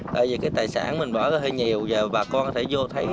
tại vì cái tài sản mình bỏ ra hơi nhiều và bà con có thể vô thấy